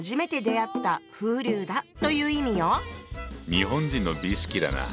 日本人の美意識だなぁ。